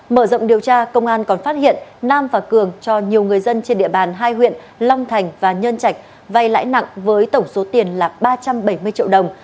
mở rộng điều tra công an còn phát hiện nam và cường cho nhiều người dân trên địa bàn hai huyện long thành và nhân trạch vay lãi nặng với tổng số tiền là ba trăm bảy mươi triệu đồng